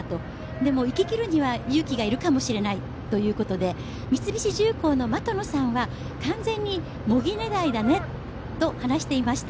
でも行ききるには勇気がいるかもしれないということで三菱重工の的野さんは完全に茂木狙いだねと話していました。